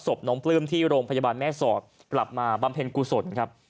ศพน้องปลื้มที่โรงพยาบาลแม่สอดกลับมาบำเพ็ญกุศลครับ